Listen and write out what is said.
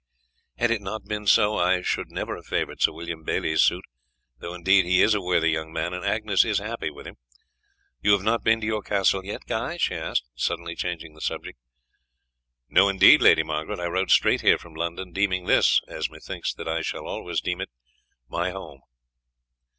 Had it not been so I should never have favoured Sir William Bailey's suit, though indeed he is a worthy young man, and Agnes is happy with him. You have not been to your castle yet, Guy?" she asked, suddenly changing the subject. "No, indeed, Lady Margaret, I rode straight here from London, deeming this, as methinks that I shall always deem it, my home."